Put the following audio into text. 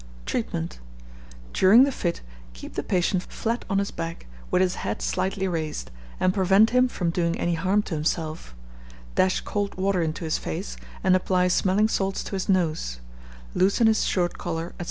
Treatment. During the fit, keep the patient flat on his back, with his head slightly raised, and prevent him from doing any harm to himself; dash cold water into his face, and apply smelling salts to his nose; loosen his shirt collar, &c.